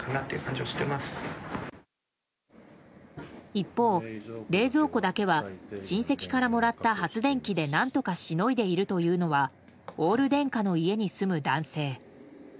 一方、冷蔵庫だけは親戚からもらった発電機で何とかしのいでいるというのはオール電化の家に住む男性。